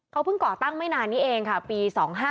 เขาเพิ่งก่อตั้งไม่นานนี้เองค่ะปี๒๕๕๙